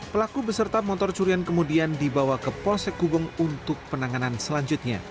pelaku beserta motor curian kemudian dibawa ke polsek gubeng untuk penanganan selanjutnya